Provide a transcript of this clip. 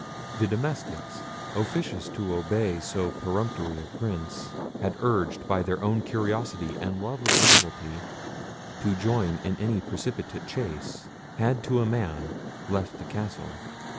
The domestics, officious to obey so peremptory a Prince, and urged by their own curiosity and love of novelty to join in any precipitate chase, had to a man left the castle.